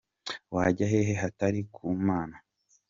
Wajya hehe hatari ku Mana ?”